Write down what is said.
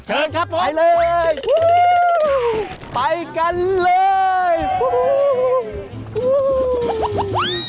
เชิญครับพ่อไปเลยวู้ไปกันเลยวู้